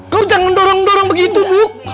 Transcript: kau jangan dorong dorong begitu bu